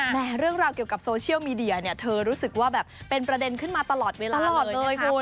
เรื่องราวเกี่ยวกับโซเชียลมีเดียเนี่ยเธอรู้สึกว่าแบบเป็นประเด็นขึ้นมาตลอดเวลาเลยนะคะ